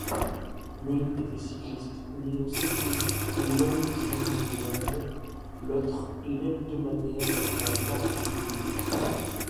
L'une était cycliste, l'Union cycliste longjumelloise, l'autre l'hebdomadaire La Marseillaise.